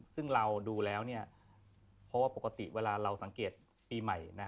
ซึ่งเราดูแล้วพอเวลาปกติสังเกตปีใหม่